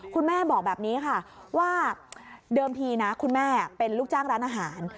คุณแม่บอกแบบนี้ค่ะว่าเดิมทีนะคุณแม่เป็นลูกจ้างร้านอาหาร